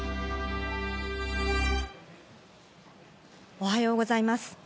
おはようございます。